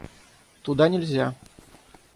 — Туда нельзя!